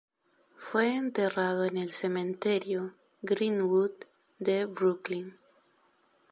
Fue enterrado en el Cementerio Green-Wood de Brooklyn.